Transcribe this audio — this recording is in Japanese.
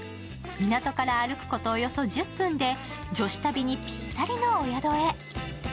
港から歩くことおよそ１０分で女子旅にぴったりのお宿へ。